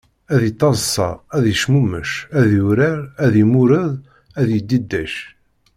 Ad yettaḍsa, ad yecmumeḥ, ad yurar, ad yemmured, ad yedidac.